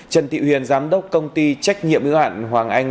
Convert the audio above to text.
trần thị huyền giám đốc công ty trách nhiệm ưu hạn hoàng anh